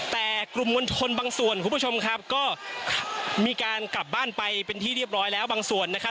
แต่กลุ่มมวลชนบางส่วนคุณผู้ชมครับก็มีการกลับบ้านไปเป็นที่เรียบร้อยแล้วบางส่วนนะครับ